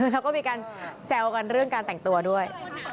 แล้วก็มีการแซวกันเรื่องการแต่งตัวด้วย